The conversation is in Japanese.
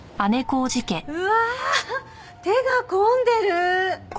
うわ手が込んでる！